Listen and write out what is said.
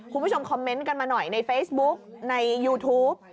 คุณผู้ชมคอมเมนต์กันมาหน่อยในเฟซบุ๊กในยูทูป